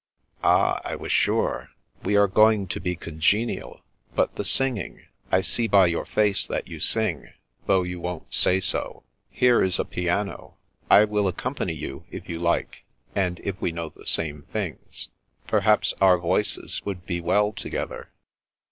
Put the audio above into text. " Ah, I was sure. We are going to be congenial. But the singing ? I see by your face that you sing, though you won't say so. Here is a piano. I will accompany you, if you like, and if we know the same things. Perhaps our voices would be well together."